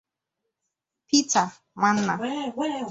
Pịta Nwana